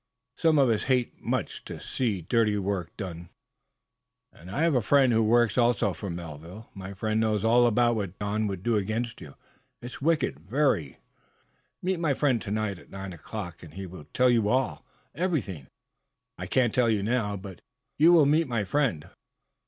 "Some of us hate much to see dirty work done, and I have friend who works also for Melville. My friend knows all about what Don would do against you. It is wicked very. Meet my friend, to night, at nine o'clock, and he will tell you all everything. I cannot tell you now. But you will meet my friend?"